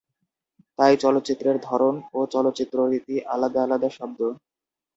তাই চলচ্চিত্রের ধরন ও চলচ্চিত্ররীতি আলাদা আলাদা শব্দ।